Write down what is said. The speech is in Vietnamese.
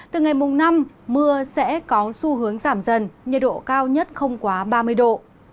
từ ngày mùng năm mưa sẽ có xu hướng giảm dần nhiệt độ cao nhất không quá ba mươi độ